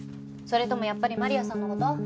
それともやっぱりマリアさんの事？